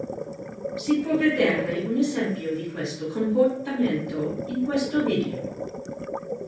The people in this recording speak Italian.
Si può vedere un esempio di questo comportamento in questo video.